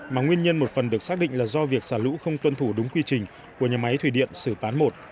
mà nguyên nhân một phần được xác định là do việc xả lũ không tuân thủ đúng quy trình của nhà máy thủy điện xử bán một